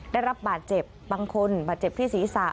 ได้รับบาดเจ็บบางคนบาดเจ็บที่ศีรษะ